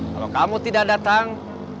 kalau kamu tidak datang